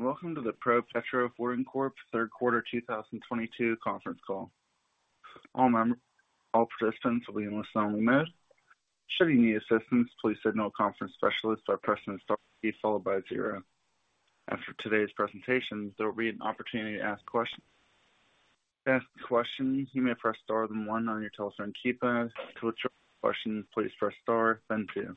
Welcome to the ProPetro Holding Corp. third quarter 2022 conference call. All participants will be in listen-only mode. Should you need assistance, please signal conference specialist by pressing star followed by zero. After today's presentation, there will be an opportunity to ask questions. To ask questions, you may press star then one on your telephone keypad. To withdraw questions, please press star then two. Please note,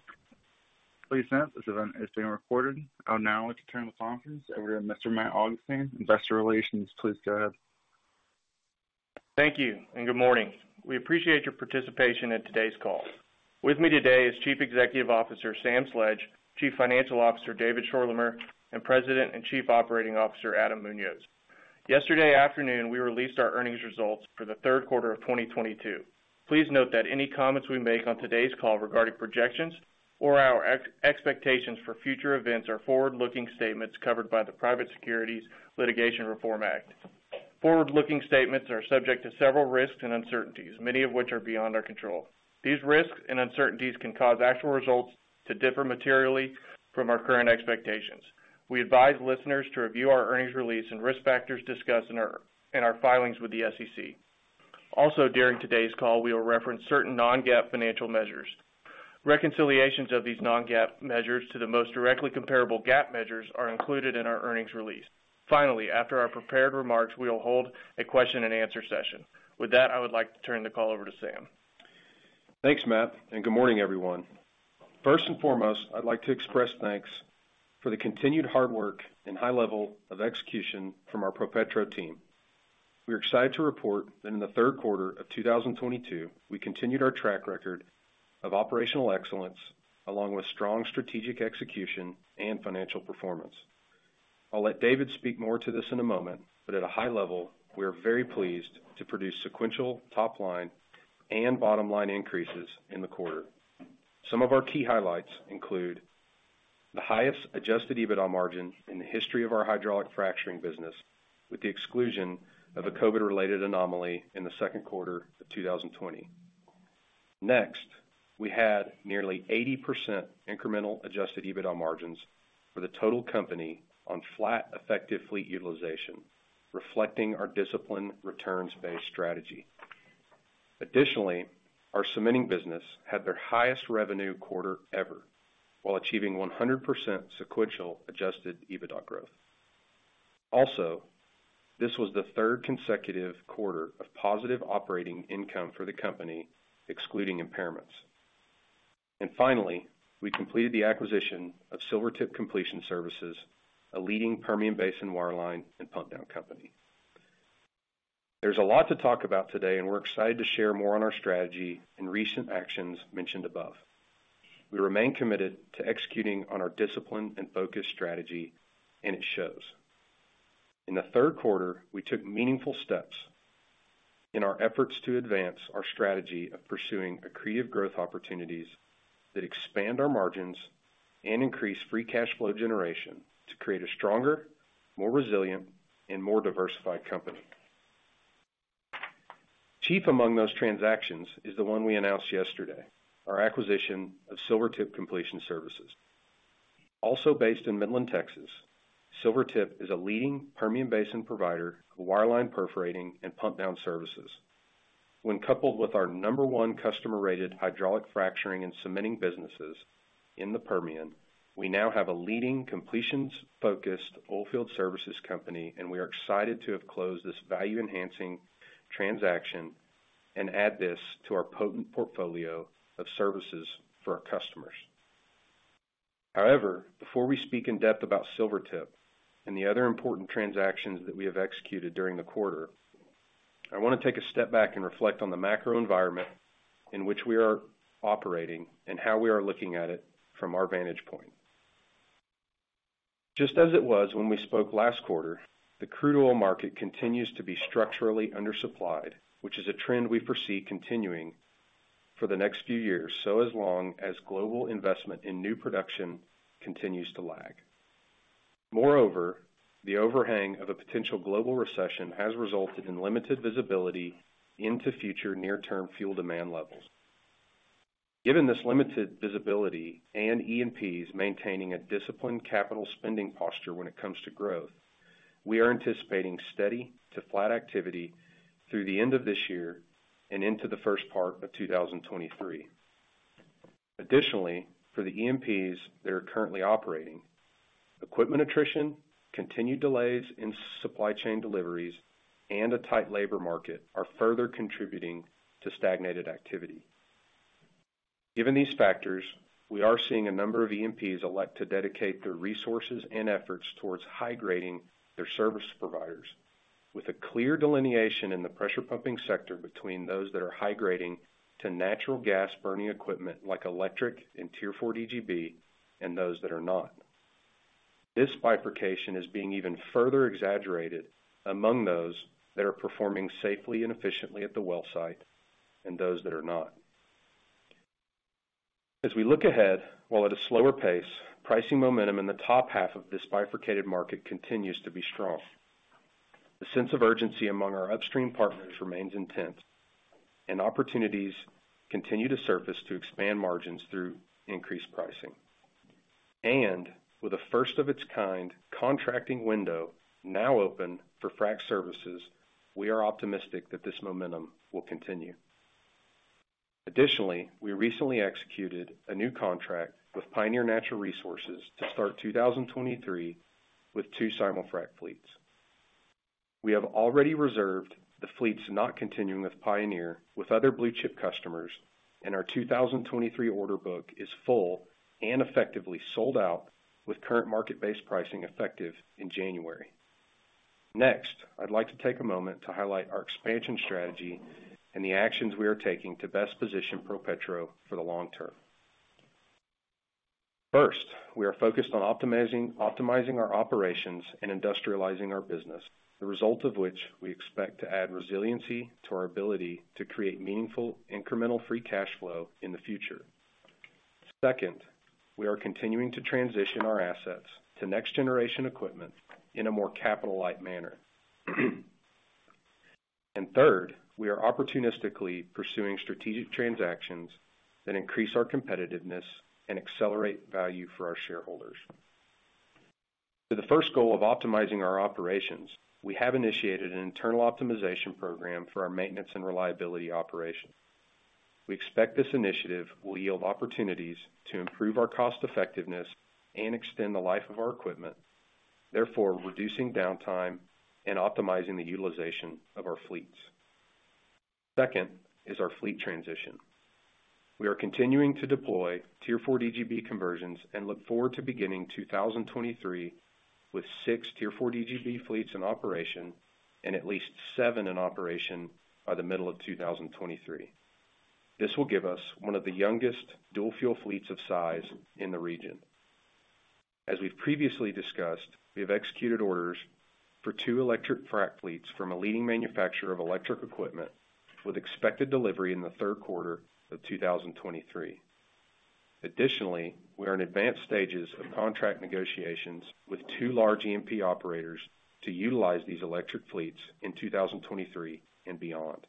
this event is being recorded. I would now like to turn the conference over to Mr. Matt Augustine, investor relations. Please go ahead. Thank you and good morning. We appreciate your participation in today's call. With me today is Chief Executive Officer, Sam Sledge, Chief Financial Officer, David Schorlemer, and President and Chief Operating Officer, Adam Muñoz. Yesterday afternoon, we released our earnings results for the third quarter of 2022. Please note that any comments we make on today's call regarding projections or our expectations for future events are forward-looking statements covered by the Private Securities Litigation Reform Act. Forward-looking statements are subject to several risks and uncertainties, many of which are beyond our control. These risks and uncertainties can cause actual results to differ materially from our current expectations. We advise listeners to review our earnings release and risk factors discussed in our filings with the SEC. Also, during today's call, we will reference certain non-GAAP financial measures. Reconciliations of these non-GAAP measures to the most directly comparable GAAP measures are included in our earnings release. Finally, after our prepared remarks, we will hold a question-and-answer session. With that, I would like to turn the call over to Sam. Thanks, Matt, and good morning, everyone. First and foremost, I'd like to express thanks for the continued hard work and high level of execution from our ProPetro team. We are excited to report that in the third quarter of 2022, we continued our track record of operational excellence along with strong strategic execution and financial performance. I'll let David speak more to this in a moment, but at a high level, we are very pleased to produce sequential top line and bottom line increases in the quarter. Some of our key highlights include the highest adjusted EBITDA margin in the history of our hydraulic fracturing business, with the exclusion of a COVID-related anomaly in the second quarter of 2020. Next, we had nearly 80% incremental adjusted EBITDA margins for the total company on flat effective fleet utilization, reflecting our disciplined returns-based strategy. Additionally, our cementing business had their highest revenue quarter ever while achieving 100% sequential adjusted EBITDA growth. Also, this was the third consecutive quarter of positive operating income for the company, excluding impairments. Finally, we completed the acquisition of Silvertip Completion Services, a leading Permian Basin wireline and pump down company. There's a lot to talk about today, and we're excited to share more on our strategy and recent actions mentioned above. We remain committed to executing on our disciplined and focused strategy, and it shows. In the third quarter, we took meaningful steps in our efforts to advance our strategy of pursuing accretive growth opportunities that expand our margins and increase free cash flow generation to create a stronger, more resilient and more diversified company. Chief among those transactions is the one we announced yesterday, our acquisition of Silvertip Completion Services. Also based in Midland, Texas, Silvertip is a leading Permian Basin provider of wireline perforating and pump down services. When coupled with our number one customer-rated hydraulic fracturing and cementing businesses in the Permian, we now have a leading completions-focused oilfield services company, and we are excited to have closed this value-enhancing transaction and add this to our potent portfolio of services for our customers. However, before we speak in depth about Silvertip and the other important transactions that we have executed during the quarter, I wanna take a step back and reflect on the macro environment in which we are operating and how we are looking at it from our vantage point. Just as it was when we spoke last quarter, the crude oil market continues to be structurally undersupplied, which is a trend we foresee continuing for the next few years, so as long as global investment in new production continues to lag. Moreover, the overhang of a potential global recession has resulted in limited visibility into future near-term fuel demand levels. Given this limited visibility and E&P. maintaining a disciplined capital spending posture when it comes to growth, we are anticipating steady to flat activity through the end of this year and into the first part of 2023. Additionally, for the E&Ps that are currently operating, equipment attrition, continued delays in supply chain deliveries, and a tight labor market are further contributing to stagnated activity. Given these factors, we are seeing a number of E&Ps elect to dedicate their resources and efforts towards high grading their service providers with a clear delineation in the pressure pumping sector between those that are high grading to natural gas burning equipment, like electric Tier 4 DGB and those that are not. This bifurcation is being even further exaggerated among those that are performing safely and efficiently at the well site and those that are not. As we look ahead, while at a slower pace, pricing momentum in the top half of this bifurcated market continues to be strong. The sense of urgency among our upstream partners remains intense and opportunities continue to surface to expand margins through increased pricing. With the first of its kind contracting window now open for frac services, we are optimistic that this momentum will continue. Additionally, we recently executed a new contract with Pioneer Natural Resources to start 2023 with two simul-frac fleets. We have already reserved the fleets not continuing with Pioneer with other blue-chip customers, and our 2023 order book is full and effectively sold out with current market-based pricing effective in January. Next, I'd like to take a moment to highlight our expansion strategy and the actions we are taking to best position ProPetro for the long term. First, we are focused on optimizing our operations and industrializing our business, the result of which we expect to add resiliency to our ability to create meaningful incremental free cash flow in the future. Second, we are continuing to transition our assets to next generation equipment in a more capital-light manner. And Third, we are opportunistically pursuing strategic transactions that increase our competitiveness and accelerate value for our shareholders. To the first goal of optimizing our operations, we have initiated an internal optimization program for our maintenance and reliability operation. We expect this initiative will yield opportunities to improve our cost effectiveness and extend the life of our equipment, therefore reducing downtime and optimizing the utilization of our fleets. Second is our fleet transition. We are continuing to Tier 4 DGB conversions and look forward six Tier 4 DGB fleets in operation and at least seven in operation by the middle of 2023. This will give us one of the youngest dual fuel fleets of size in the region. As we've previously discussed, we have executed orders for two electric frac fleets from a leading manufacturer of electric equipment with expected delivery in the third quarter of 2023. Additionally, we are in advanced stages of contract negotiations with two large E&P operators to utilize these electric fleets in 2023 and beyond.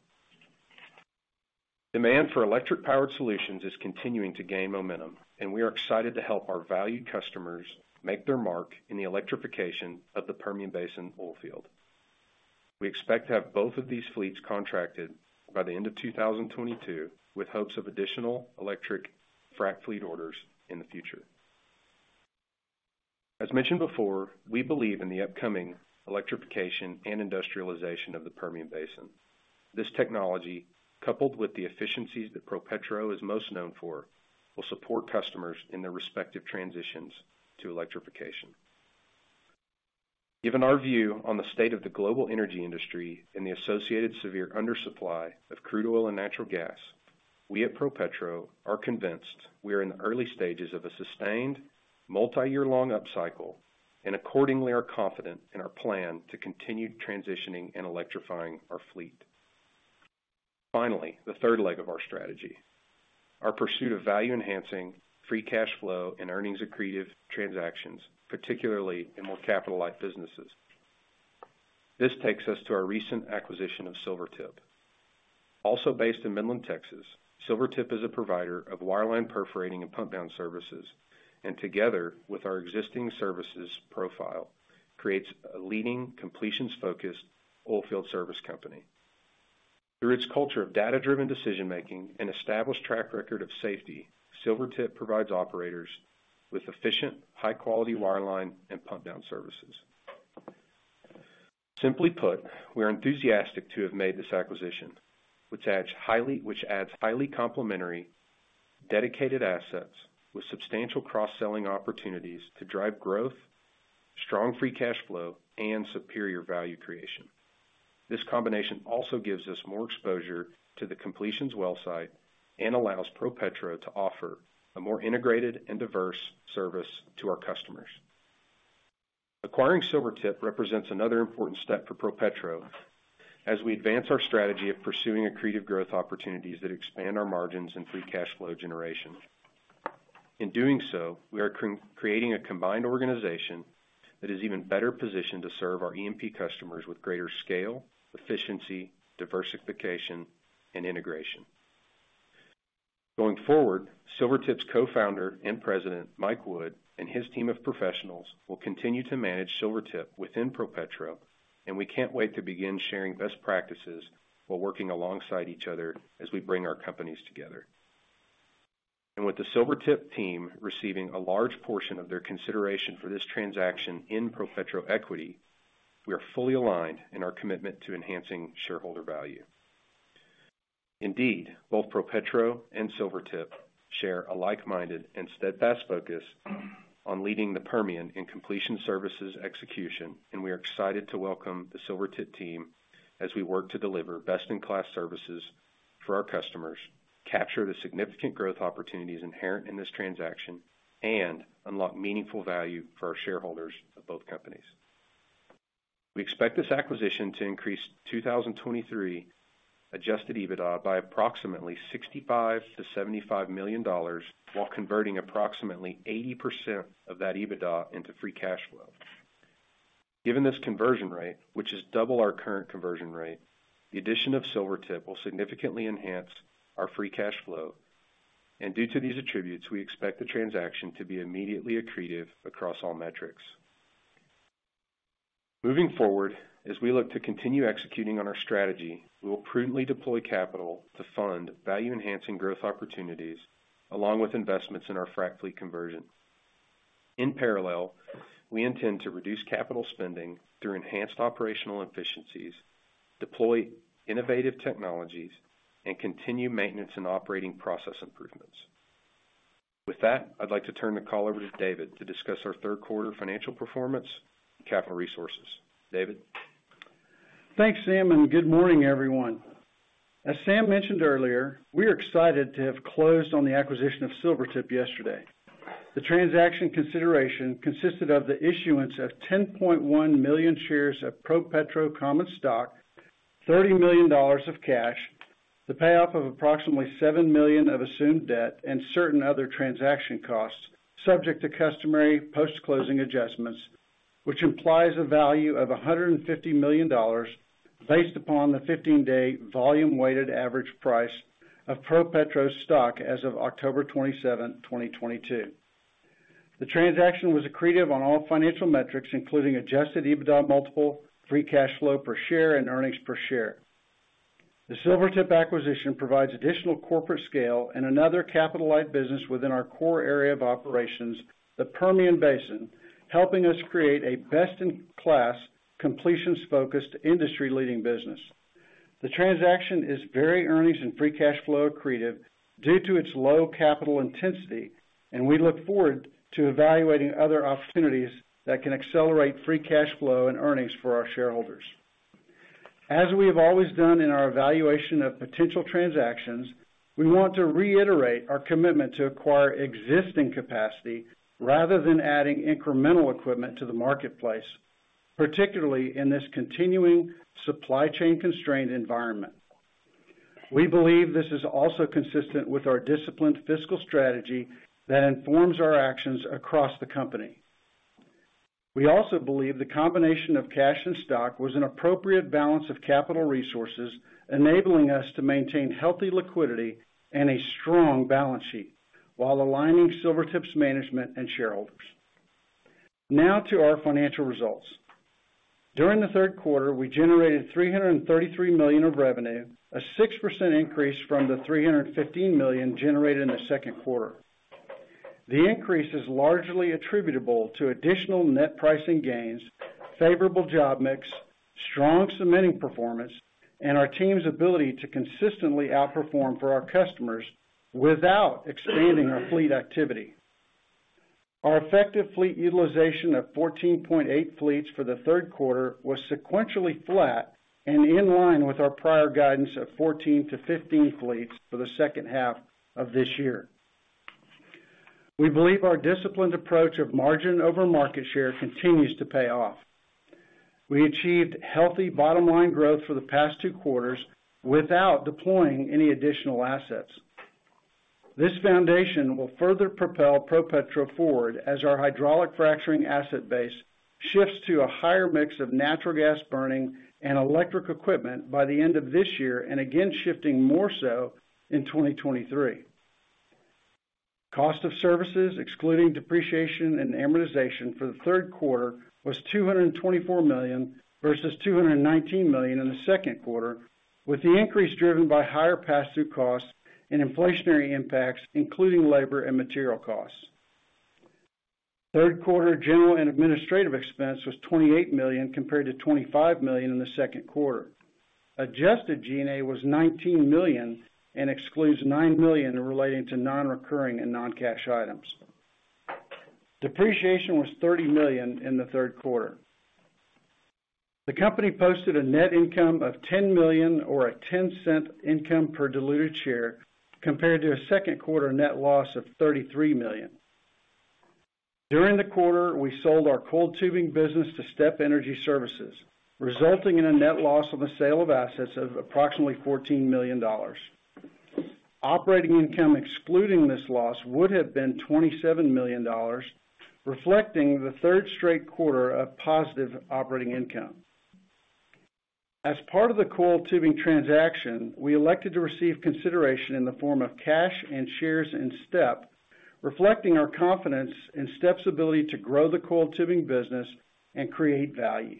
Demand for electric-powered solutions is continuing to gain momentum, and we are excited to help our valued customers make their mark in the electrification of the Permian Basin oil field. We expect to have both of these fleets contracted by the end of 2022, with hopes of additional electric frac fleet orders in the future. As mentioned before, we believe in the upcoming electrification and industrialization of the Permian Basin. This technology, coupled with the efficiencies that ProPetro is most known for, will support customers in their respective transitions to electrification. Given our view on the state of the global energy industry and the associated severe undersupply of crude oil and natural gas, we at ProPetro are convinced we are in the early stages of a sustained multi-year long upcycle and accordingly are confident in our plan to continue transitioning and electrifying our fleet. Finally, the third leg of our strategy, our pursuit of value-enhancing free cash flow and earnings accretive transactions, particularly in more capital-light businesses. This takes us to our recent acquisition of Silvertip. Also based in Midland, Texas, Silvertip is a provider of wireline perforating and pump down services, and together with our existing services profile, creates a leading completions-focused oil field service company. Through its culture of data-driven decision-making and established track record of safety, Silvertip provides operators with efficient, high-quality wireline and pump down services. Simply put, we're enthusiastic to have made this acquisition, which adds highly complementary dedicated assets with substantial cross-selling opportunities to drive growth, strong free cash flow, and superior value creation. This combination also gives us more exposure to the completions well site and allows ProPetro to offer a more integrated and diverse service to our customers. Acquiring Silvertip represents another important step for ProPetro as we advance our strategy of pursuing accretive growth opportunities that expand our margins and free cash flow generation. In doing so, we are creating a combined organization that is even better positioned to serve our E&P customers with greater scale, efficiency, diversification, and integration. Going forward, Silvertip's co-founder and president, Mike Wood, and his team of professionals will continue to manage Silvertip within ProPetro, and we can't wait to begin sharing best practices while working alongside each other as we bring our companies together. With the Silvertip team receiving a large portion of their consideration for this transaction in ProPetro equity, we are fully aligned in our commitment to enhancing shareholder value. Indeed, both ProPetro and Silvertip share a like-minded and steadfast focus on leading the Permian in completion services execution, and we are excited to welcome the Silvertip team as we work to deliver best-in-class services for our customers, capture the significant growth opportunities inherent in this transaction, and unlock meaningful value for our shareholders of both companies. We expect this acquisition to increase 2023 adjusted EBITDA by approximately $65 million -$75 million while converting approximately 80% of that EBITDA into free cash flow. Given this conversion rate, which is double our current conversion rate, the addition of Silvertip will significantly enhance our free cash flow. Due to these attributes, we expect the transaction to be immediately accretive across all metrics. Moving forward, as we look to continue executing on our strategy, we will prudently deploy capital to fund value-enhancing growth opportunities along with investments in our frac fleet conversion. In parallel, we intend to reduce capital spending through enhanced operational efficiencies, deploy innovative technologies, and continue maintenance and operating process improvements. With that, I'd like to turn the call over to David to discuss our third quarter financial performance, capital resources. David? Thanks, Sam, and good morning, everyone. As Sam mentioned earlier, we're excited to have closed on the acquisition of Silvertip yesterday. The transaction consideration consisted of the issuance of 10.1 million shares of ProPetro common stock, $30 million of cash, the payoff of approximately $7 million of assumed debt, and certain other transaction costs subject to customary post-closing adjustments, which implies a value of $150 million based upon the 15-day volume-weighted average price of ProPetro stock as of October 27, 2022. The transaction was accretive on all financial metrics, including adjusted EBITDA multiple, free cash flow per share, and earnings per share. The Silvertip acquisition provides additional corporate scale and another capital-light business within our core area of operations, the Permian Basin, helping us create a best-in-class completions focused industry-leading business. The transaction is very earnings and free cash flow accretive due to its low capital intensity, and we look forward to evaluating other opportunities that can accelerate free cash flow and earnings for our shareholders. As we have always done in our evaluation of potential transactions, we want to reiterate our commitment to acquire existing capacity rather than adding incremental equipment to the marketplace, particularly in this continuing supply chain constrained environment. We believe this is also consistent with our disciplined fiscal strategy that informs our actions across the company. We also believe the combination of cash and stock was an appropriate balance of capital resources, enabling us to maintain healthy liquidity and a strong balance sheet while aligning Silvertip's management and shareholders. Now to our financial results. During the third quarter, we generated $333 million of revenue, a 6% increase from the $315 million generated in the second quarter. The increase is largely attributable to additional net pricing gains, favorable job mix, strong cementing performance, and our team's ability to consistently outperform for our customers without expanding our fleet activity. Our effective fleet utilization of 14.8 fleets for the third quarter was sequentially flat and in line with our prior guidance of 14-15 fleets for the second half of this year. We believe our disciplined approach of margin over market share continues to pay off. We achieved healthy bottom line growth for the past two quarters without deploying any additional assets. This foundation will further propel ProPetro forward as our hydraulic fracturing asset base shifts to a higher mix of natural gas burning and electric equipment by the end of this year and again shifting more so in 2023. Cost of services excluding depreciation and amortization for the third quarter was $224 million versus $219 million in the second quarter, with the increase driven by higher pass-through costs and inflationary impacts, including labor and material costs. Third quarter general and administrative expense was $28 million compared to $25 million in the second quarter. Adjusted G&A was $19 million and excludes $9 million relating to non-recurring and non-cash items. Depreciation was $30 million in the third quarter. The company posted a net income of $10 million or $0.10 income per diluted share compared to a second quarter net loss of $33 million. During the quarter, we sold our coiled tubing business to Step Energy Services, resulting in a net loss on the sale of assets of approximately $14 million. Operating income excluding this loss would have been $27 million, reflecting the third straight quarter of positive operating income. As part of the coiled tubing transaction, we elected to receive consideration in the form of cash and shares in Step, reflecting our confidence in Step's ability to grow the coiled tubing business and create value.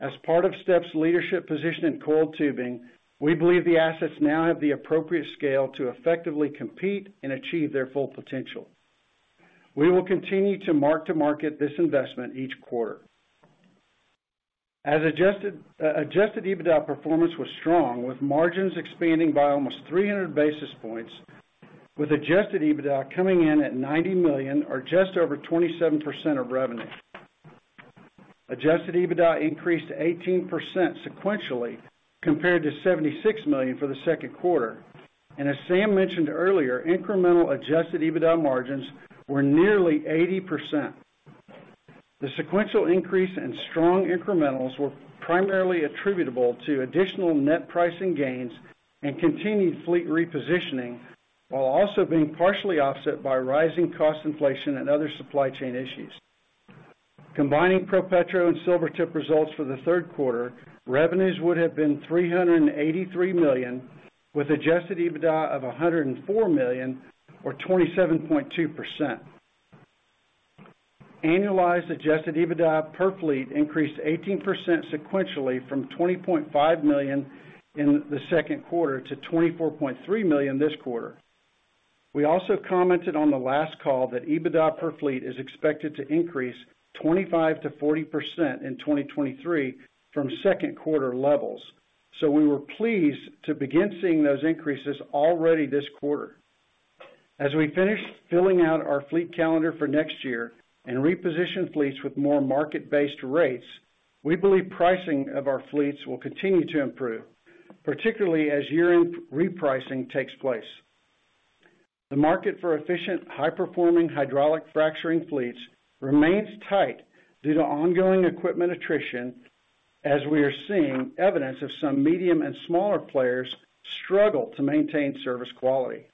As part of Step's leadership position in coiled tubing, we believe the assets now have the appropriate scale to effectively compete and achieve their full potential. We will continue to mark-to-market this investment each quarter. Adjusted EBITDA performance was strong with margins expanding by almost 300 basis points, with adjusted EBITDA coming in at $90 million or just over 27% of revenue. Adjusted EBITDA increased 18% sequentially compared to $76 million for the second quarter. As Sam mentioned earlier, incremental adjusted EBITDA margins were nearly 80%. The sequential increase in strong incrementals were primarily attributable to additional net pricing gains and continued fleet repositioning, while also being partially offset by rising cost inflation and other supply chain issues. Combining ProPetro and Silvertip results for the third quarter, revenues would have been $383 million, with adjusted EBITDA of $104 million, or 27.2%. Annualized adjusted EBITDA per fleet increased 18% sequentially from $20.5 million in the second quarter to $24.3 million this quarter. We also commented on the last call that EBITDA per fleet is expected to increase 25%-40% in 2023 from second quarter levels. We were pleased to begin seeing those increases already this quarter. As we finish filling out our fleet calendar for next year and reposition fleets with more market-based rates, we believe pricing of our fleets will continue to improve, particularly as year-end repricing takes place. The market for efficient, high-performing hydraulic fracturing fleets remains tight due to ongoing equipment attrition, as we are seeing evidence of some medium and smaller players struggle to maintain service quality.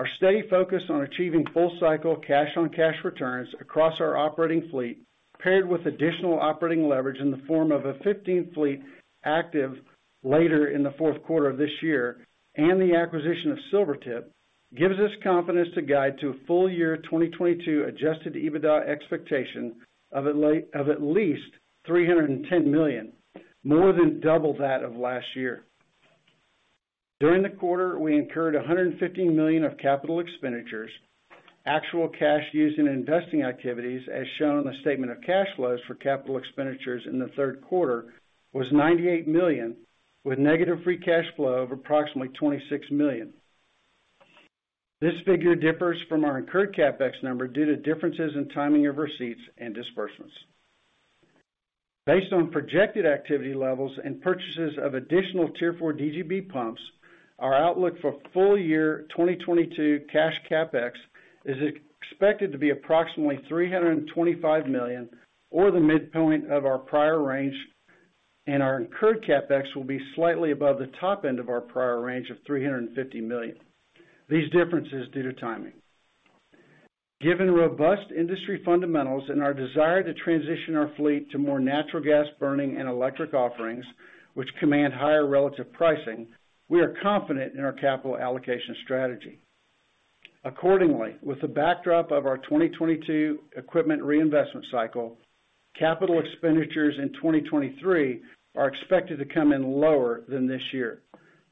Our steady focus on achieving full cycle cash-on-cash returns across our operating fleet, paired with additional operating leverage in the form of a 15th fleet active later in the fourth quarter of this year and the acquisition of Silvertip, gives us confidence to guide to a full year 2022 adjusted EBITDA expectation of at least $310 million, more than double that of last year. During the quarter, we incurred $150 million of capital expenditures. Actual cash used in investing activities, as shown on the statement of cash flows for capital expenditures in the third quarter, was $98 million, with negative free cash flow of approximately $26 million. This figure differs from our incurred CapEx number due to differences in timing of receipts and disbursements. Based on projected activity levels and purchases of additional Tier 4 DGB pumps, our outlook for full year 2022 cash CapEx is expected to be approximately $325 million or the midpoint of our prior range, and our incurred CapEx will be slightly above the top end of our prior range of $350 million. These differences due to timing. Given robust industry fundamentals and our desire to transition our fleet to more natural gas burning and electric offerings, which command higher relative pricing, we are confident in our capital allocation strategy. Accordingly, with the backdrop of our 2022 equipment reinvestment cycle, capital expenditures in 2023 are expected to come in lower than this year,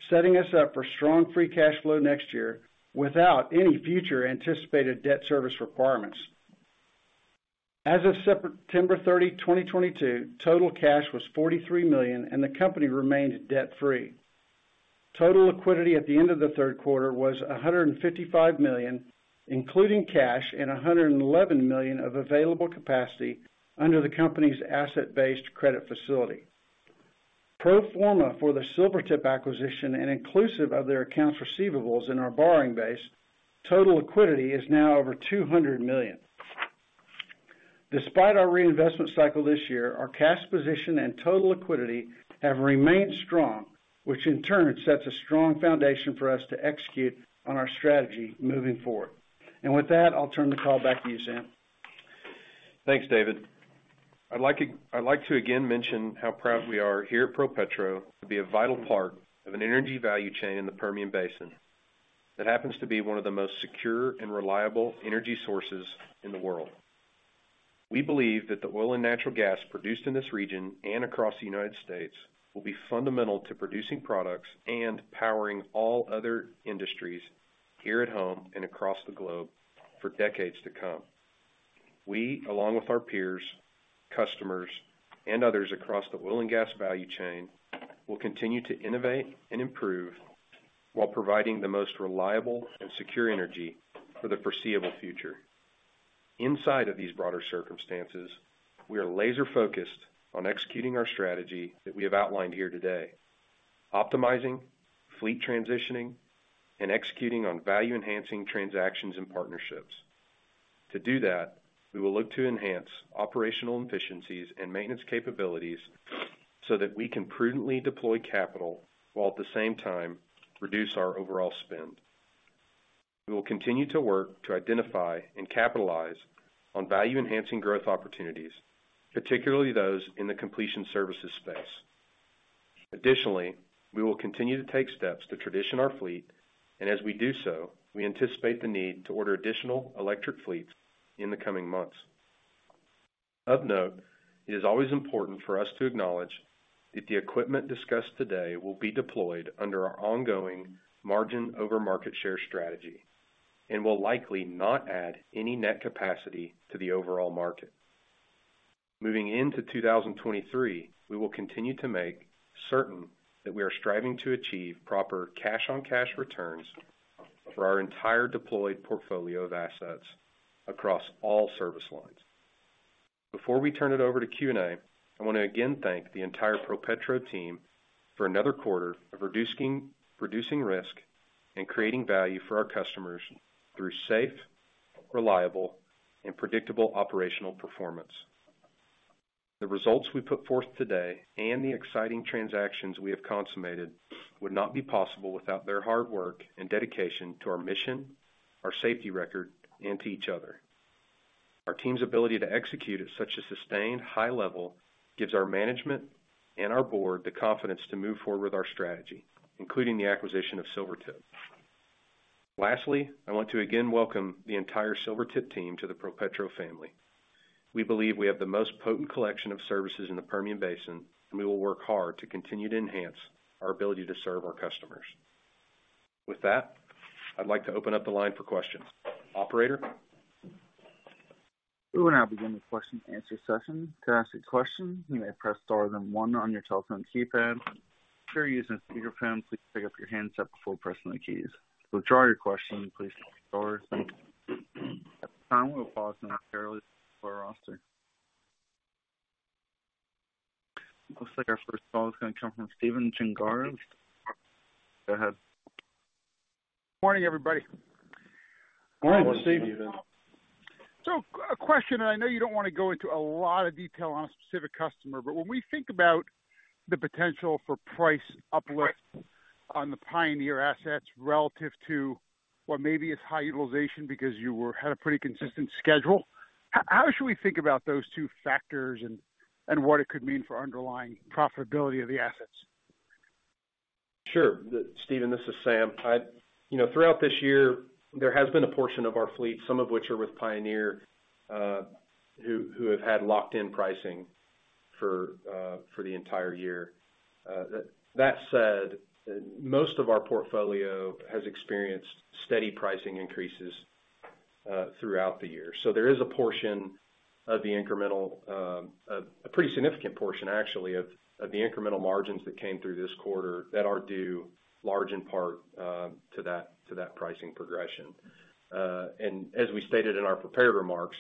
setting us up for strong free cash flow next year without any future anticipated debt service requirements. As of September 30, 2022, total cash was $43 million, and the company remained debt-free. Total liquidity at the end of the third quarter was $155 million, including cash and $111 million of available capacity under the company's asset-based credit facility. Pro forma for the Silvertip acquisition and inclusive of their accounts receivables in our borrowing base, total liquidity is now over $200 million. Despite our reinvestment cycle this year, our cash position and total liquidity have remained strong, which in turn sets a strong foundation for us to execute on our strategy moving forward. With that, I'll turn the call back to you, Sam Sledge. Thanks, David. I'd like to again mention how proud we are here at ProPetro to be a vital part of an energy value chain in the Permian Basin that happens to be one of the most secure and reliable energy sources in the world. We believe that the oil and natural gas produced in this region and across the United States will be fundamental to producing products and powering all other industries here at home and across the globe for decades to come. We, along with our peers, customers, and others across the oil and gas value chain, will continue to innovate and improve while providing the most reliable and secure energy for the foreseeable future. Inside of these broader circumstances, we are laser-focused on executing our strategy that we have outlined here today, optimizing, fleet transitioning, and executing on value-enhancing transactions and partnerships. To do that, we will look to enhance operational efficiencies and maintenance capabilities so that we can prudently deploy capital while at the same time reduce our overall spend. We will continue to work to identify and capitalize on value-enhancing growth opportunities, particularly those in the completion services space. Additionally, we will continue to take steps to transition our fleet, and as we do so, we anticipate the need to order additional electric fleets in the coming months. Of note, it is always important for us to acknowledge that the equipment discussed today will be deployed under our ongoing margin over market share strategy and will likely not add any net capacity to the overall market. Moving into 2023, we will continue to make certain that we are striving to achieve proper cash-on-cash returns for our entire deployed portfolio of assets across all service lines. Before we turn it over to Q&A, I want to again thank the entire ProPetro team for another quarter of reducing risk and creating value for our customers through safe, reliable, and predictable operational performance. The results we put forth today and the exciting transactions we have consummated would not be possible without their hard work and dedication to our mission, our safety record, and to each other. Our team's ability to execute at such a sustained high level gives our management and our board the confidence to move forward with our strategy, including the acquisition of Silvertip. Lastly, I want to again welcome the entire Silvertip team to the ProPetro family. We believe we have the most potent collection of services in the Permian Basin, and we will work hard to continue to enhance our ability to serve our customers. With that, I'd like to open up the line for questions. Operator? We will now begin the question-and-answer session. To ask a question, you may press star then one on your telephone keypad. If you're using a speakerphone, please pick up your handset before pressing the keys. To withdraw your question, please press star then two. At this time, we'll pause for a moment for the roster. Looks like our first call is gonna come from Stephen Gengaro. Go ahead. Morning, everybody. Morning, Stephen. Stephen. A question, and I know you don't wanna go into a lot of detail on a specific customer, but when we think about the potential for price uplift on the Pioneer assets relative to what maybe is high utilization because you had a pretty consistent schedule, how should we think about those two factors and what it could mean for underlying profitability of the assets? Sure. Stephen, this is Sam. You know, throughout this year, there has been a portion of our fleet, some of which are with Pioneer, who have had locked in pricing for the entire year. That said, most of our portfolio has experienced steady pricing increases throughout the year. There is a portion of the incremental, a pretty significant portion actually of the incremental margins that came through this quarter that are due large in part to that pricing progression. As we stated in our prepared remarks,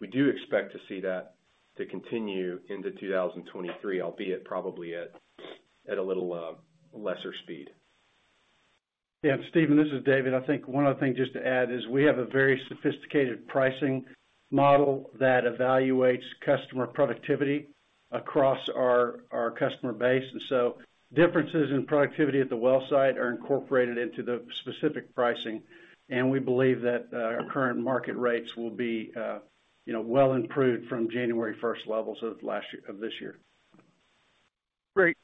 we do expect to see that to continue into 2023, albeit probably at a little lesser speed. Yeah, Stephen, this is David. I think one other thing just to add is we have a very sophisticated pricing model that evaluates customer productivity across our customer base. Differences in productivity at the well site are incorporated into the specific pricing. We believe that our current market rates will be, you know, well improved from January first levels of this year. Great.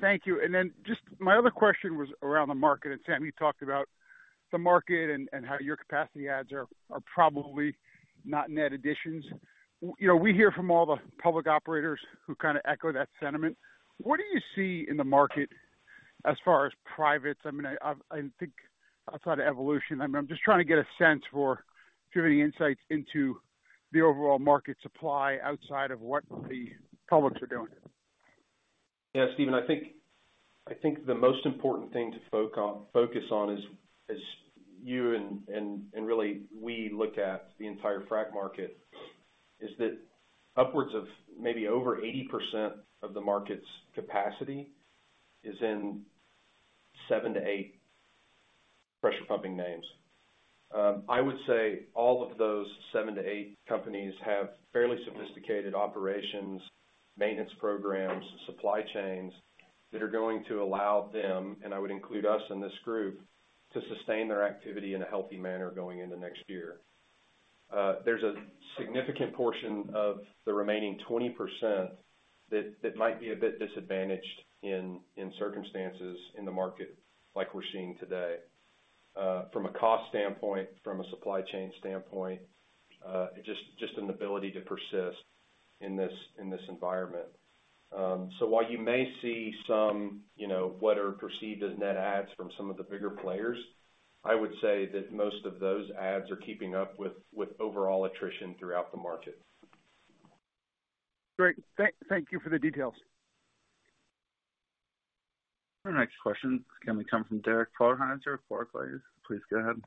Thank you. Then just my other question was around the market. Sam, you talked about the market and how your capacity adds are probably not net additions. You know, we hear from all the public operators who kind of echo that sentiment. What do you see in the market as far as privates? I mean, I think outside [evolution], I mean, I'm just trying to get a sense for, do you have any insights into the overall market supply outside of what the publics are doing? Yeah, Stephen, I think the most important thing to focus on is, you know, and really we look at the entire frac market, is that upwards of maybe over 80% of the market's capacity is in 7-8 pressure pumping names. I would say all of those 7-8 companies have fairly sophisticated operations, maintenance programs, supply chains that are going to allow them, and I would include us in this group, to sustain their activity in a healthy manner going into next year. There's a significant portion of the remaining 20% that might be a bit disadvantaged in circumstances in the market like we're seeing today, from a cost standpoint, from a supply chain standpoint, just an ability to persist in this environment. While you may see some, you know, what are perceived as net adds from some of the bigger players, I would say that most of those adds are keeping up with overall attrition throughout the market. Great. Thank you for the details. Our next question coming from Derek Podhaizer of Piper Sandler. Please go ahead.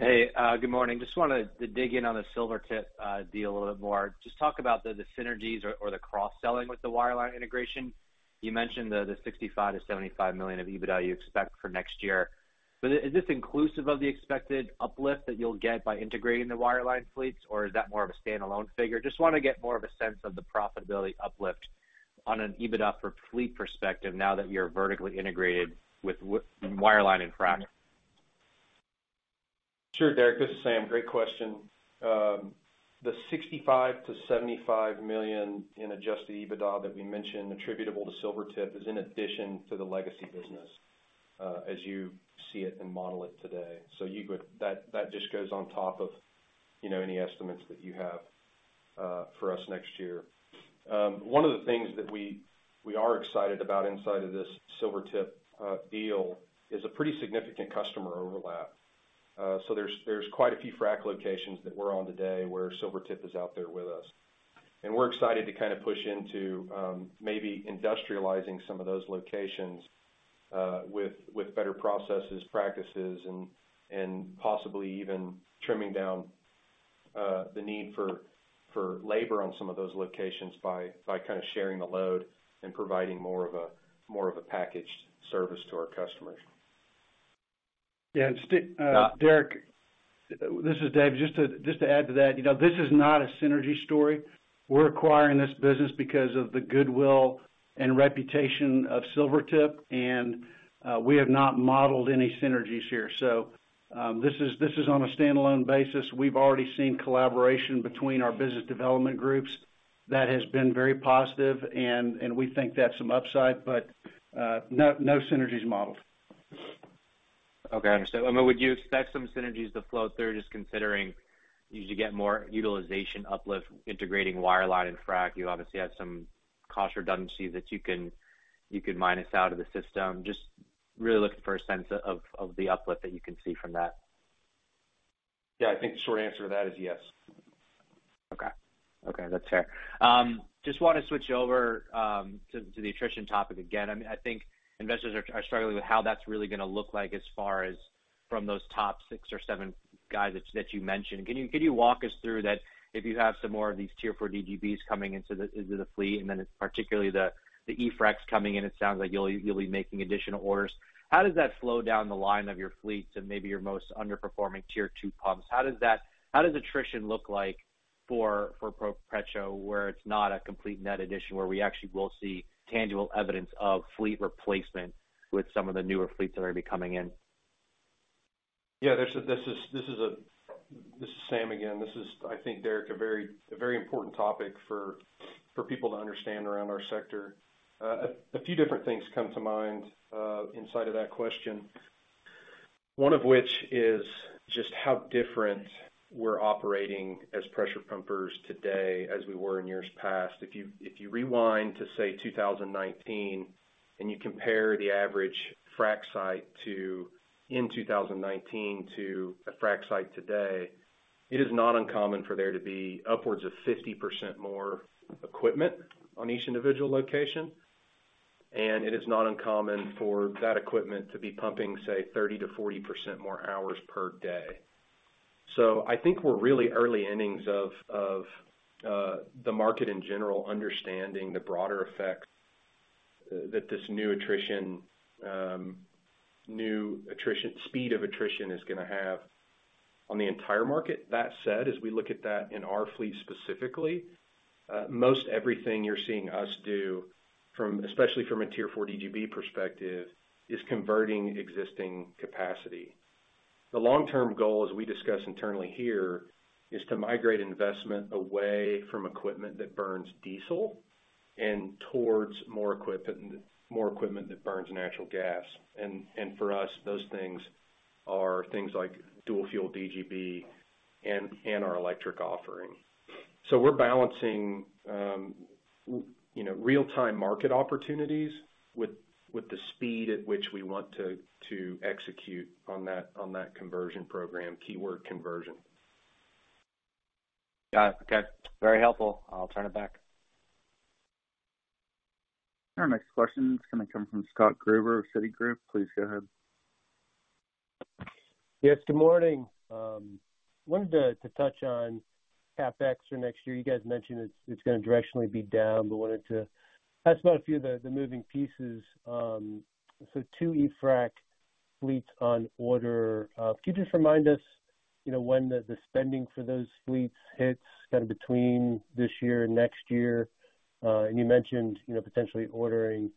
Hey, good morning. Just wanted to dig in on the Silvertip deal a little bit more. Just talk about the synergies or the cross-selling with the wireline integration. You mentioned the $65 million-$75 million of EBITDA you expect for next year. Is this inclusive of the expected uplift that you'll get by integrating the wireline fleets, or is that more of a standalone figure? Just wanna get more of a sense of the profitability uplift on an EBITDA for fleet perspective now that you're vertically integrated with wireline and frac. Sure, Derek. This is Sam. Great question. The $65 million -$75 million in adjusted EBITDA that we mentioned attributable to Silvertip is in addition to the legacy business, as you see it and model it today. That just goes on top of, you know, any estimates that you have for us next year. One of the things that we are excited about inside of this Silvertip deal is a pretty significant customer overlap. There's quite a few frac locations that we're on today where Silvertip is out there with us. We're excited to kind of push into maybe industrializing some of those locations with better processes, practices and possibly even trimming down the need for labor on some of those locations by kind of sharing the load and providing more of a packaged service to our customers. Yeah, Derek, this is Dave. Just to add to that, you know, this is not a synergy story. We're acquiring this business because of the goodwill and reputation of Silvertip, and we have not modeled any synergies here. This is on a standalone basis. We've already seen collaboration between our business development groups. That has been very positive and we think that's some upside, but no synergies modeled. Okay, understood. I mean, would you expect some synergies to flow through just considering as you get more utilization uplift integrating wireline and frac, you obviously have some cost redundancy that you could minus out of the system. Just really looking for a sense of the uplift that you can see from that. Yeah. I think the short answer to that is yes. Okay, that's fair. Just wanna switch over to the attrition topic again. I mean, I think investors are struggling with how that's really gonna look like as far as from those top six or seven guys that you mentioned. Can you walk us through that if you have some more of these Tier 4 DGBs coming into the fleet, and then it's particularly the e-fracs coming in. It sounds like you'll be making additional orders. How does that flow down the line of your fleets and maybe your most underperforming Tier Two pumps? How does attrition look like for ProPetro where it's not a complete net addition, where we actually will see tangible evidence of fleet replacement with some of the newer fleets that are gonna be coming in? Yeah. This is Sam again. This is, I think, Derek, a very important topic for people to understand around our sector. A few different things come to mind inside of that question, one of which is just how different we're operating as pressure pumpers today as we were in years past. If you rewind to, say, 2019 and you compare the average frac site in 2019 to a frac site today, it is not uncommon for there to be upwards of 50% more equipment on each individual location, and it is not uncommon for that equipment to be pumping, say, 30%-40% more hours per day. I think we're really early innings of the market in general understanding the broader effect that this new speed of attrition is gonna have on the entire market. That said, as we look at that in our fleet specifically, most everything you're seeing us do from, especially from a Tier 4 DGB perspective, is converting existing capacity. The long-term goal, as we discuss internally here, is to migrate investment away from equipment that burns diesel and towards more equipment that burns natural gas. And for us, those things are things like dual fuel DGB and our electric offering. We're balancing, you know, real-time market opportunities with the speed at which we want to execute on that conversion program. Keyword conversion. Got it. Okay. Very helpful. I'll turn it back. Our next question is gonna come from Scott Gruber of Citigroup. Please go ahead. Yes, good morning. Wanted to touch on CapEx for next year. You guys mentioned it's gonna directionally be down, but wanted to ask about a few of the moving pieces. Two e-frac fleets on order. Could you just remind us, you know, when the spending for those fleets hits kind of between this year and next year? You mentioned, you know, potentially ordering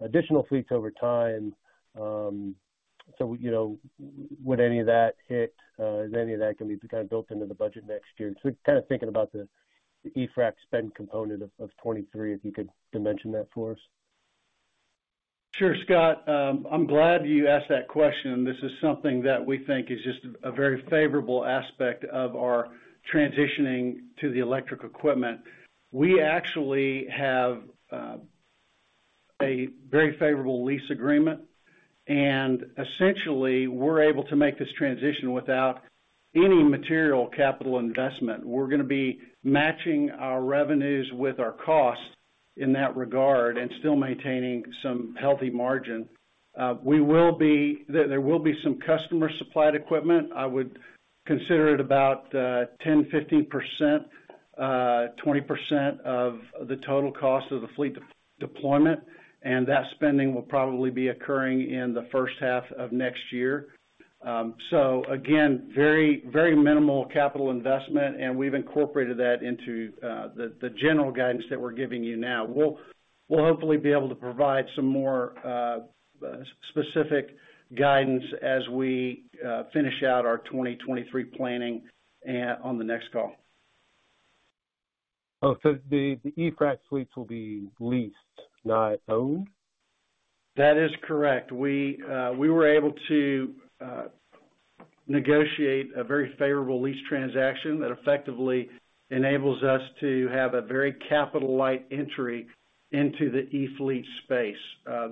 additional fleets over time. You know, is any of that gonna be kind of built into the budget next year? Just kind of thinking about the e-frac spend component of 2023, if you could dimension that for us. Sure, Scott. I'm glad you asked that question. This is something that we think is just a very favorable aspect of our transitioning to the electric equipment. We actually have a very favorable lease agreement, and essentially, we're able to make this transition without any material capital investment. We're gonna be matching our revenues with our costs in that regard and still maintaining some healthy margin. There will be some customer-supplied equipment. I would consider it about 10%-20% of the total cost of the fleet deployment, and that spending will probably be occurring in the first half of next year. So again, very, very minimal capital investment, and we've incorporated that into the general guidance that we're giving you now. We'll hopefully be able to provide some more specific guidance as we finish out our 2023 planning on the next call. Oh, the e-frac fleets will be leased, not owned? That is correct. We were able to negotiate a very favorable lease transaction that effectively enables us to have a very capital light entry into the e-fleet space.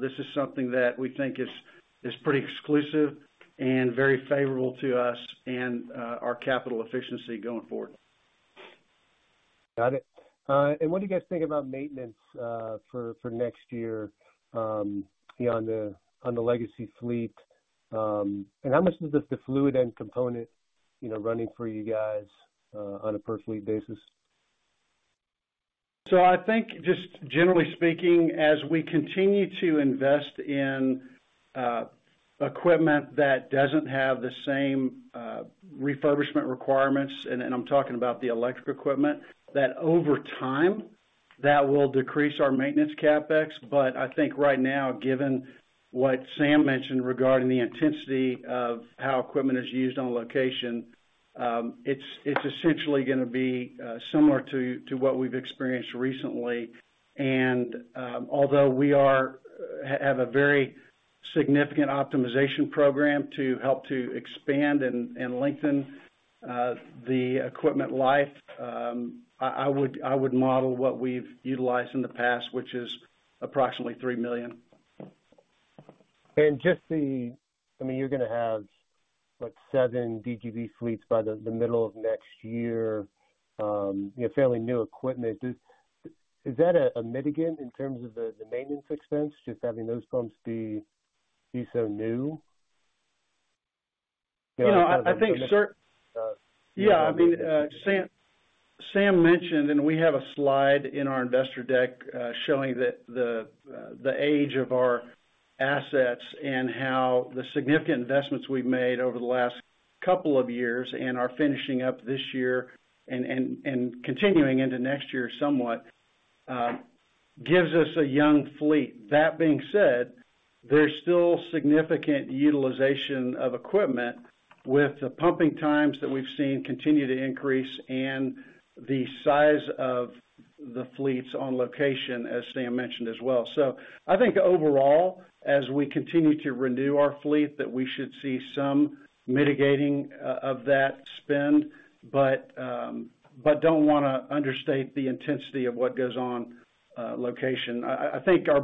This is something that we think is pretty exclusive and very favorable to us and our capital efficiency going forward. Got it. What do you guys think about maintenance for next year, you know, on the legacy fleet? How much does the fluid end component, you know, running for you guys on a per fleet basis? I think just generally speaking, as we continue to invest in equipment that doesn't have the same refurbishment requirements, and I'm talking about the electric equipment, that over time, that will decrease our maintenance CapEx. But I think right now, given what Sam mentioned regarding the intensity of how equipment is used on location, it's essentially gonna be similar to what we've experienced recently. Although we have a very significant optimization program to help to expand and lengthen the equipment life, I would model what we've utilized in the past, which is approximately $3 million. I mean, you're gonna have, what, seven DGB fleets by the middle of next year, you know, fairly new equipment. Is that a mitigant in terms of the maintenance expense, just having those pumps be so new? Yeah, I mean, Sam mentioned and we have a slide in our investor deck showing the age of our assets and how the significant investments we've made over the last couple of years and are finishing up this year and continuing into next year somewhat gives us a young fleet. That being said, there's still significant utilization of equipment with the pumping times that we've seen continue to increase and the size of the fleets on location, as Sam mentioned as well. I think overall, as we continue to renew our fleet, that we should see some mitigating of that spend, but don't wanna understate the intensity of what goes on location. I think our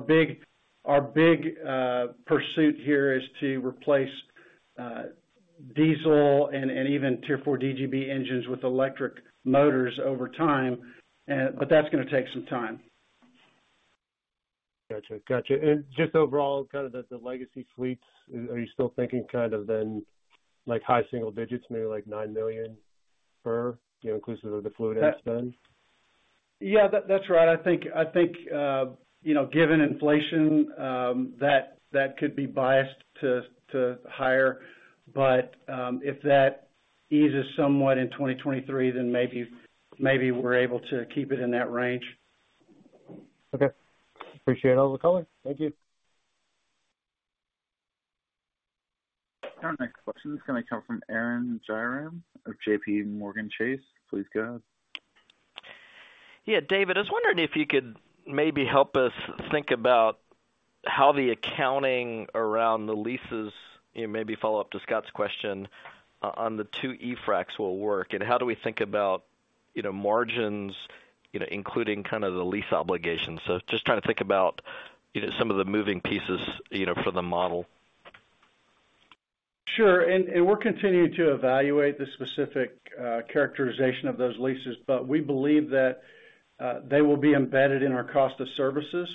big pursuit here is to replace diesel and even Tier 4 DGB engines with electric motors over time. That's gonna take some time. Gotcha. Just overall, kind of the legacy fleets, are you still thinking kind of then like high single digits, maybe like $9 million per, you know, inclusive of the fluid end spend? Yeah, that's right. I think you know, given inflation, that could be biased to higher. If that eases somewhat in 2023, then maybe we're able to keep it in that range. Okay. Appreciate all the color. Thank you. Our next question is gonna come from Arun Jayaram of JPMorgan Chase. Please go ahead. David, I was wondering if you could maybe help us think about how the accounting around the leases, you know, maybe follow up to Scott's question, on the two e-fracs will work, and how do we think about, you know, margins, you know, including kind of the lease obligations. Just trying to think about, you know, some of the moving pieces, you know, for the model. Sure. We're continuing to evaluate the specific characterization of those leases, but we believe that they will be embedded in our cost of services,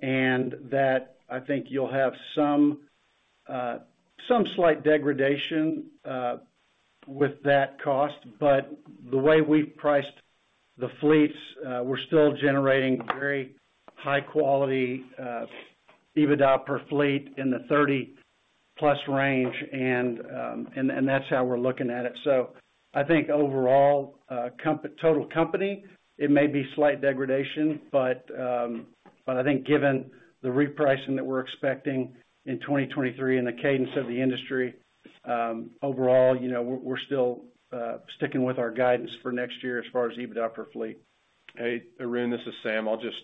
and that I think you'll have some slight degradation with that cost. The way we've priced the fleets, we're still generating very high quality EBITDA per fleet in the $30+ range, and that's how we're looking at it. I think overall, total company, it may be slight degradation, but I think given the repricing that we're expecting in 2023 and the cadence of the industry, overall, you know, we're still sticking with our guidance for next year as far as EBITDA per fleet. Hey, Arun, this is Sam. I'll just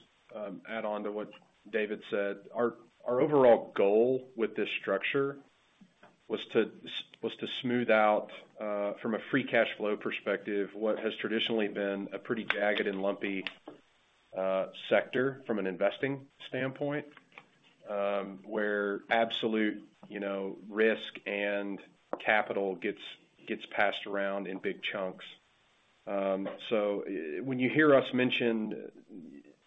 add on to what David said. Our overall goal with this structure was to smooth out from a free cash flow perspective what has traditionally been a pretty jagged and lumpy sector from an investing standpoint, where absolute, you know, risk and capital gets passed around in big chunks. When you hear us mention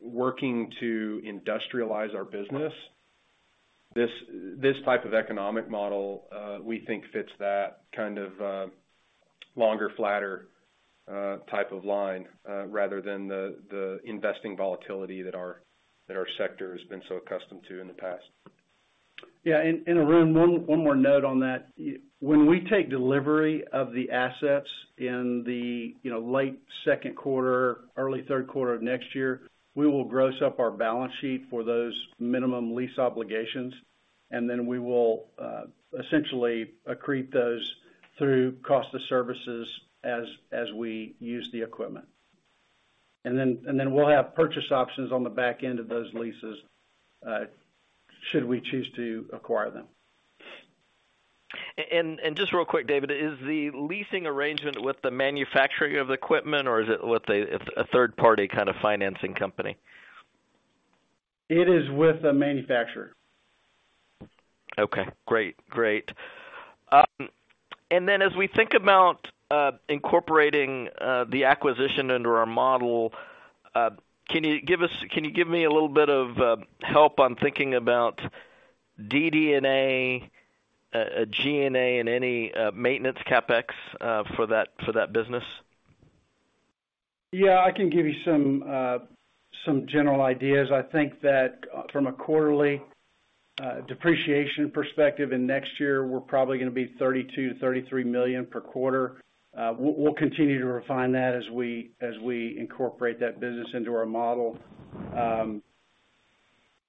working to industrialize our business, this type of economic model we think fits that kind of longer, flatter type of line rather than the investing volatility that our sector has been so accustomed to in the past. Yeah. Arun, one more note on that. When we take delivery of the assets in the, you know, late second quarter, early third quarter of next year, we will gross up our balance sheet for those minimum lease obligations, and then we will essentially accrete those through cost of services as we use the equipment. Then we'll have purchase options on the back end of those leases should we choose to acquire them. Just real quick, David, is the leasing arrangement with the manufacturing of the equipment or is it with a third party kind of financing company? It is with a manufacturer. Okay, great. Great. As we think about incorporating the acquisition under our model, can you give me a little bit of help on thinking about DD&A, G&A and any maintenance CapEx for that business? Yeah, I can give you some general ideas. I think that from a quarterly depreciation perspective in next year, we're probably gonna be $32 million-$33 million per quarter. We'll continue to refine that as we incorporate that business into our model.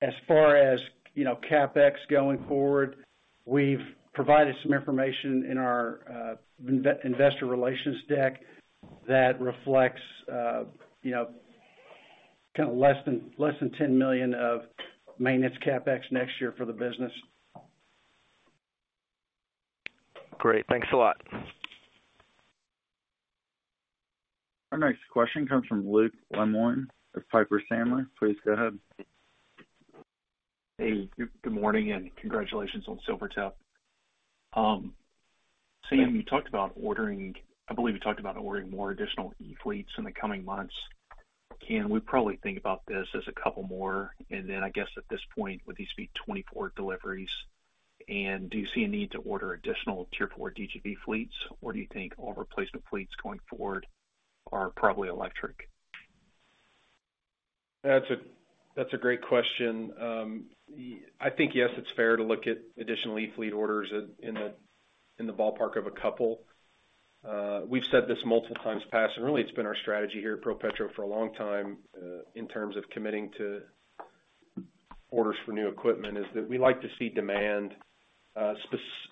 As far as, you know, CapEx going forward, we've provided some information in our investor relations deck that reflects, you know, kinda less than $10 million of maintenance CapEx next year for the business. Great. Thanks a lot. Our next question comes from Luke Lemoine of Piper Sandler. Please go ahead. Hey, good morning, and congratulations on Silvertip. Sam, I believe you talked about ordering more additional e-fleets in the coming months. Can we probably think about this as a couple more, and then I guess at this point, would these be 24 deliveries? Do you see a need to order Tier 4 DGB fleets, or do you think all replacement fleets going forward are probably electric? That's a great question. I think, yes, it's fair to look at additional e-fleet orders in the ballpark of a couple. We've said this multiple times in the past, and really it's been our strategy here at ProPetro for a long time, in terms of committing to orders for new equipment, is that we like to see demand,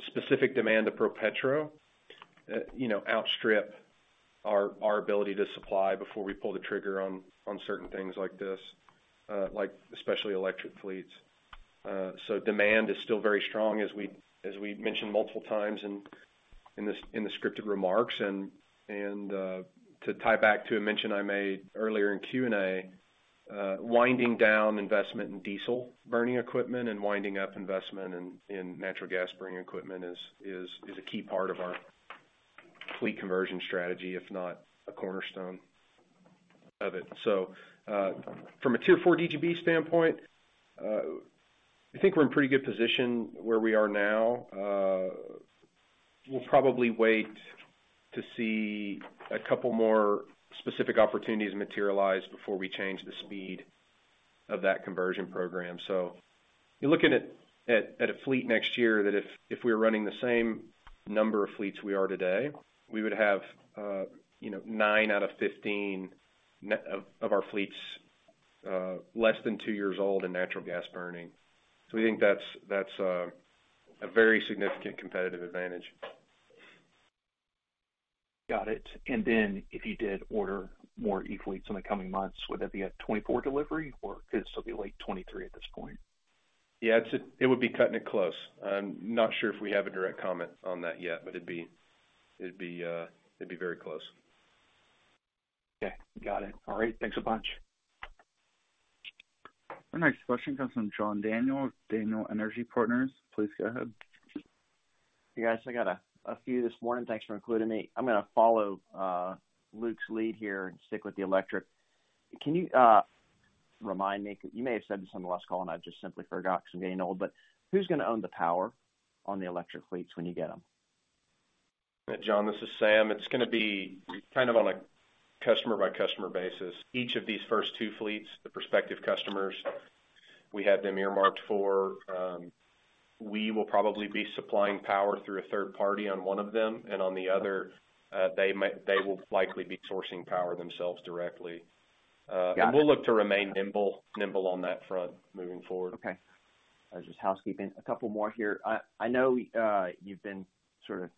specific demand to ProPetro, you know, outstrip our ability to supply before we pull the trigger on certain things like this, like especially electric fleets. Demand is still very strong as we mentioned multiple times in the scripted remarks. To tie back to a mention I made earlier in Q&A, winding down investment in diesel burning equipment and winding up investment in natural gas burning equipment is a key part of our fleet conversion strategy, if not a cornerstone of it. From Tier 4 DGB standpoint, I think we're in pretty good position where we are now. We'll probably wait to see a couple more specific opportunities materialize before we change the speed of that conversion program. You're looking at a fleet next year that if we're running the same number of fleets we are today, we would have, you know, nine out of 15 of our fleets less than two years old and natural gas burning. We think that's a very significant competitive advantage. Got it. If you did order more e-fleets in the coming months, would that be a 2024 delivery or could still be late 2023 at this point? Yeah, it would be cutting it close. I'm not sure if we have a direct comment on that yet, but it'd be very close. Okay, got it. All right. Thanks a bunch. Our next question comes from John Daniel of Daniel Energy Partners. Please go ahead. Hey, guys. I got a few this morning. Thanks for including me. I'm gonna follow Luke's lead here and stick with the electric. Can you remind me, you may have said this on the last call, and I've just simply forgot 'cause I'm getting old, but who's gonna own the power on the electric fleets when you get them? John, this is Sam. It's gonna be kind of on a customer by customer basis. Each of these first two fleets, the prospective customers, we have them earmarked for, we will probably be supplying power through a third party on one of them. On the other, they will likely be sourcing power themselves directly. Got it. We'll look to remain nimble on that front moving forward. Okay. That was just housekeeping. A couple more here. I know you've been sort of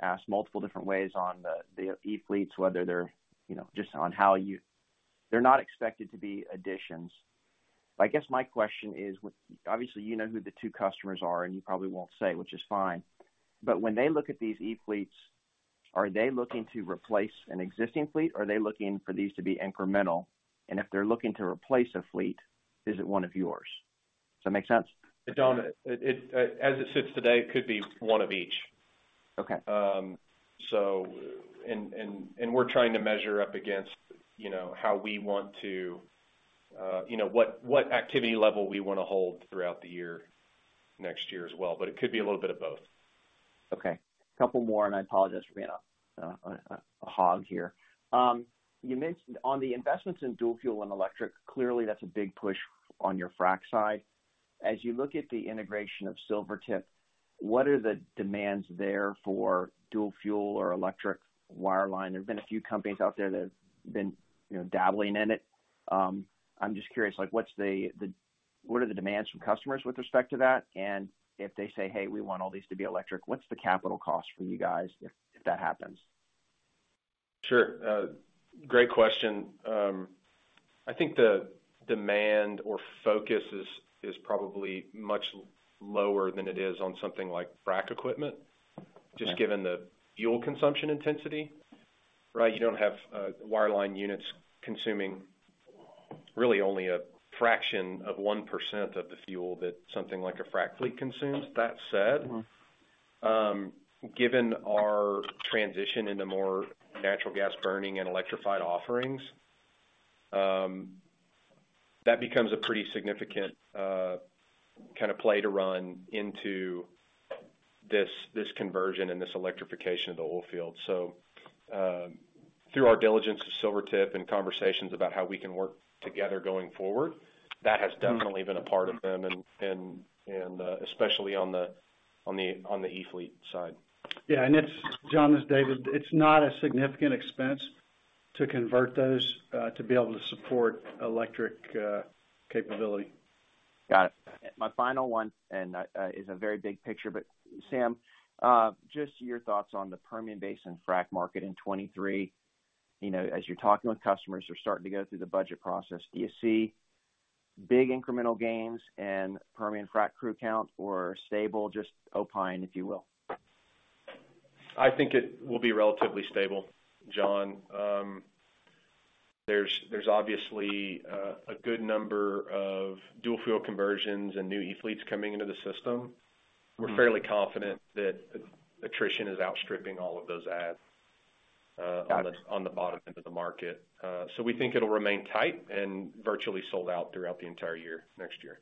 asked multiple different ways on the e-fleets, whether they're expected to be additions. I guess my question is, obviously, you know who the two customers are, and you probably won't say, which is fine, but when they look at these e-fleets, are they looking to replace an existing fleet, or are they looking for these to be incremental? And if they're looking to replace a fleet, is it one of yours? Does that make sense? It don't. It as it sits today, it could be one of each. Okay. We're trying to measure up against, you know, how we want to, you know, what activity level we wanna hold throughout the year, next year as well. It could be a little bit of both. Okay. Couple more, and I apologize for being a hog here. You mentioned on the investments in dual fuel and electric, clearly that's a big push on your frac side. As you look at the integration of Silvertip, what are the demands there for dual fuel or electric wireline? There's been a few companies out there that have been, you know, dabbling in it. I'm just curious, like, what are the demands from customers with respect to that? And if they say, "Hey, we want all these to be electric," what's the capital cost for you guys if that happens? Sure. Great question. I think the demand or focus is probably much lower than it is on something like frac equipment. Okay. Just given the fuel consumption intensity, right? You don't have wireline units consuming. Really only a fraction of 1% of the fuel that something like a frac fleet consumes. That said, given our transition into more natural gas burning and electrified offerings, that becomes a pretty significant kind of play to run into this conversion and this electrification of the oil field. Through our diligence with Silvertip and conversations about how we can work together going forward, that has definitely been a part of them and, especially on the e-fleet side. John, this is David. It's not a significant expense to convert those to be able to support electric capability. Got it. My final one, and, is a very big picture, but Sam, just your thoughts on the Permian Basin frac market in 2023. You know, as you're talking with customers who are starting to go through the budget process, do you see big incremental gains in Permian frac crew count or stable? Just opine, if you will. I think it will be relatively stable, John. There's obviously a good number of dual fuel conversions and new e-fleets coming into the system. We're fairly confident that attrition is outstripping all of those adds. Got it. on the bottom end of the market. We think it'll remain tight and virtually sold out throughout the entire year next year.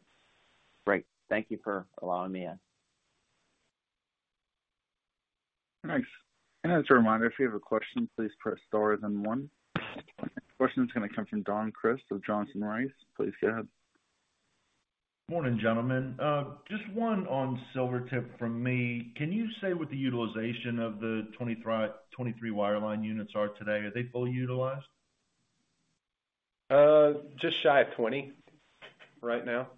Great. Thank you for allowing me in. Thanks. As a reminder, if you have a question, please press star then one. Next question is gonna come from Don Crist of Johnson Rice & Company. Please go ahead. Morning, gentlemen. Just one on Silvertip from me. Can you say what the utilization of the 23 wireline units are today? Are they fully utilized? Just shy of 20 right now.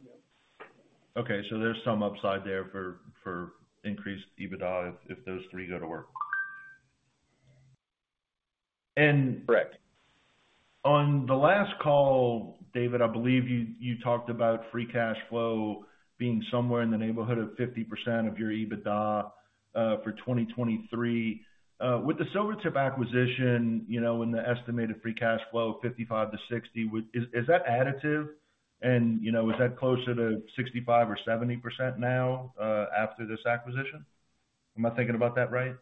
Okay, there's some upside there for increased EBITDA if those three go to work. Correct. On the last call, David, I believe you talked about free cash flow being somewhere in the neighborhood of 50% of your EBITDA for 2023. With the Silvertip acquisition, you know, and the estimated free cash flow of 55%-60%, is that additive? You know, is that closer to 65% or 70% now, after this acquisition? Am I thinking about that right?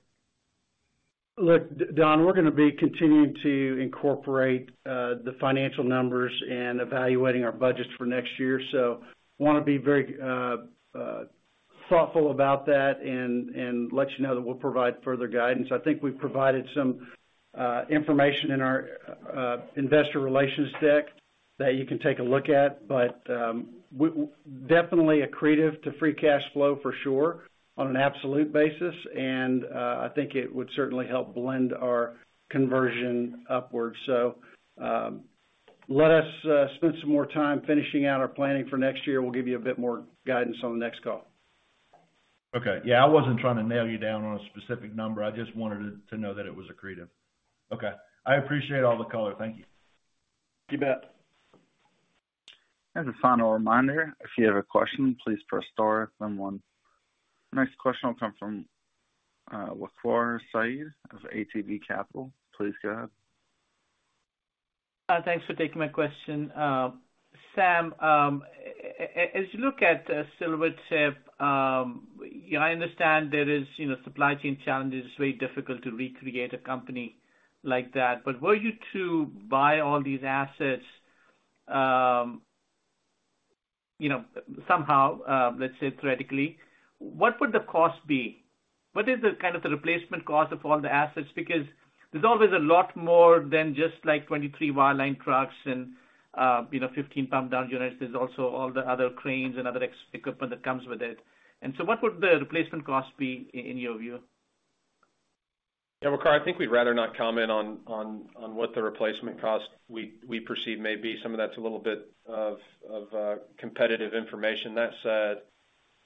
Look, Don, we're gonna be continuing to incorporate the financial numbers and evaluating our budgets for next year. Wanna be very thoughtful about that and let you know that we'll provide further guidance. I think we've provided some information in our investor relations deck that you can take a look at. Definitely accretive to free cash flow for sure on an absolute basis. I think it would certainly help blend our conversion upwards. Let us spend some more time finishing out our planning for next year. We'll give you a bit more guidance on the next call. Okay. Yeah, I wasn't trying to nail you down on a specific number. I just wanted to know that it was accretive. Okay. I appreciate all the color. Thank you. You bet. As a final reminder, if you have a question, please press star then one. Next question will come from Waqar Syed of ATB Capital. Please go ahead. Thanks for taking my question. Sam, as you look at Silvertip, you know, I understand there is, you know, supply chain challenges. It's very difficult to recreate a company like that. But were you to buy all these assets, you know, somehow, let's say theoretically, what would the cost be? What is the kind of the replacement cost of all the assets? Because there's always a lot more than just like 23 wireline trucks and, you know, 15 pump down units. There's also all the other cranes and other equipment that comes with it. What would the replacement cost be in your view? Yeah, Waqar, I think we'd rather not comment on what the replacement cost we perceive may be. Some of that's a little bit of competitive information. That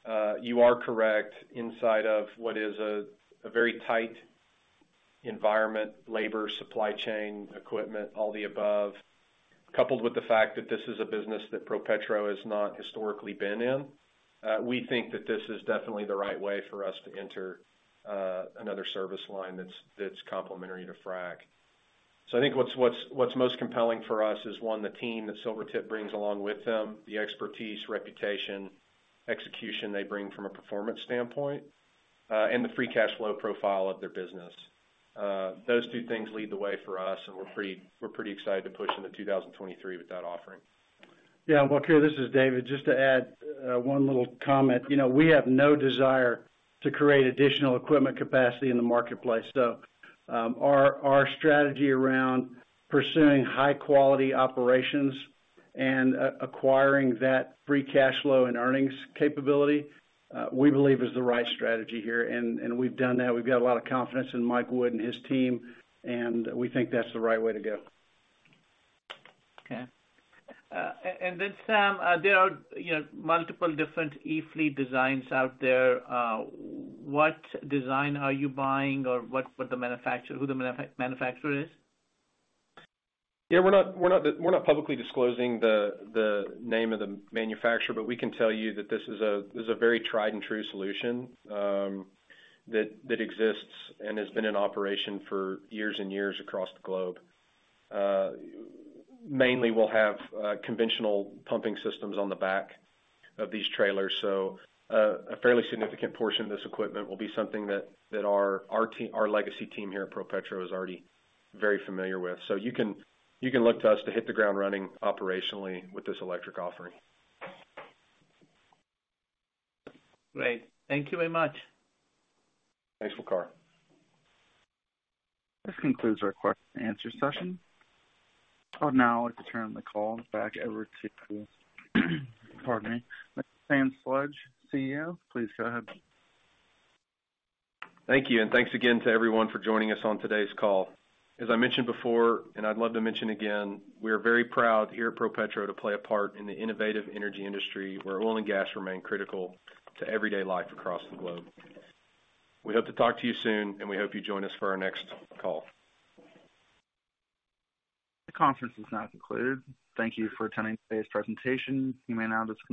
said, you are correct inside of what is a very tight environment, labor, supply chain, equipment, all the above, coupled with the fact that this is a business that ProPetro has not historically been in. We think that this is definitely the right way for us to enter another service line that's complementary to frac. I think what's most compelling for us is, one, the team that Silvertip brings along with them, the expertise, reputation, execution they bring from a performance standpoint, and the free cash flow profile of their business. Those two things lead the way for us, and we're pretty excited to push into 2023 with that offering. Yeah. Waqar, this is David. Just to add one little comment. You know, we have no desire to create additional equipment capacity in the marketplace. Our strategy around pursuing high-quality operations and acquiring that free cash flow and earnings capability, we believe is the right strategy here. We've done that. We've got a lot of confidence in Mike Wood and his team, and we think that's the right way to go. Okay. Sam, there are, you know, multiple different e-fleet designs out there. What design are you buying or what the manufacturer, who the manufacturer is? Yeah, we're not publicly disclosing the name of the manufacturer, but we can tell you that this is a very tried and true solution that exists and has been in operation for years and years across the globe. Mainly we'll have conventional pumping systems on the back of these trailers. A fairly significant portion of this equipment will be something that our team, our legacy team here at ProPetro is already very familiar with. You can look to us to hit the ground running operationally with this electric offering. Great. Thank you very much. Thanks, Waqar. This concludes our question and answer session. I would now like to turn the call back over to, pardon me, Sam Sledge, CEO. Please go ahead. Thank you. Thanks again to everyone for joining us on today's call. As I mentioned before, and I'd love to mention again, we are very proud here at ProPetro to play a part in the innovative energy industry where oil and gas remain critical to everyday life across the globe. We hope to talk to you soon, and we hope you join us for our next call. The conference is now concluded. Thank you for attending today's presentation. You may now disconnect.